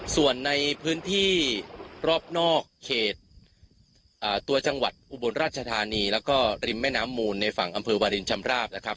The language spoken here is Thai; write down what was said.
ส่วนในพื้นที่รอบนอกเขตตัวจังหวัดอุบลราชธานีแล้วก็ริมแม่น้ำมูลในฝั่งอำเภอวาลินชำราบนะครับ